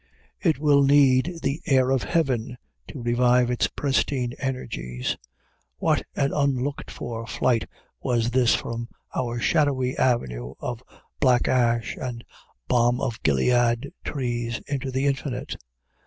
It will need the air of heaven to revive its pristine energies. What an unlooked for flight was this from our shadowy avenue of black ash and balm of gilead trees into the infinite!